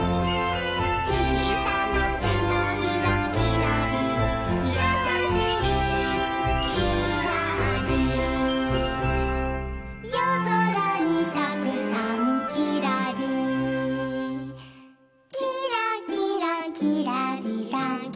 「ちいさな手のひらきらりやさしいきらり」「夜空にたくさんきらりきらきらきらりらきらりん」